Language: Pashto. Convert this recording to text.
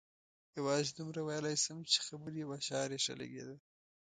یوازې دومره ویلای شم چې خبرې او اشعار یې ښه لګېدل.